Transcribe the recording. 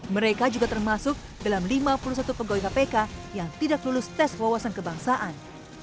mereka juga termasuk dalam lima puluh satu pegawai kpk yang tidak lulus tes wawasan kebangsaan